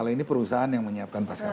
kalau ini perusahaan yang menyiapkan pasca